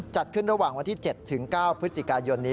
จัดขึ้นระหว่างวันที่๗๙พฤศจิกายนนี้